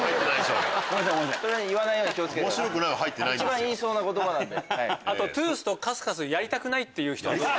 一番言いそうな言葉なんで。